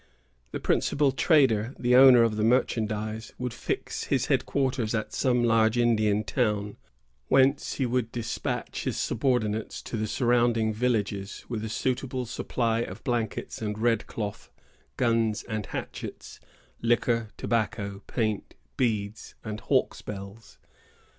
The principal trader, the owner of the merchandise, would fix his headquarters at some large Indian town, whence he would despatch his subordinates to the surrounding villages, with a suitable supply of blankets and red cloth, guns and hatchets, liquor, tobacco, paint, beads, and hawks' bells.